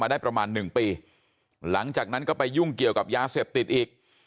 ได้ประมาณหนึ่งปีหลังจากนั้นก็ไปยุ่งเกี่ยวกับยาเสพติดอีก